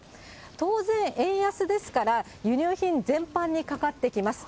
当然、円安ですから、輸入品全般にかかってきます。